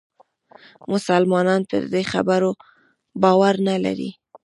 مسلمانان پر دې خبرو باور نه لري.